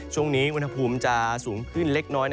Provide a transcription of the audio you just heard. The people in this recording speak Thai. ช่วงนี้อุณหภูมิจะสูงขึ้นเล็กน้อย